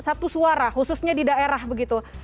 ini masih belum satu suara khususnya di daerah begitu